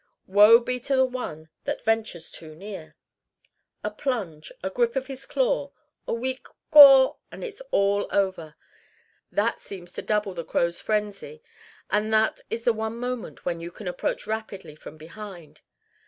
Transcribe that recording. Woe be to the one that ventures too near. A plunge, a grip of his claw, a weak caw, and it's all over. That seems to double the crows' frenzy and that is the one moment when you can approach rapidly from behind.